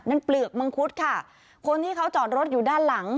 เปลือกมังคุดค่ะคนที่เขาจอดรถอยู่ด้านหลัง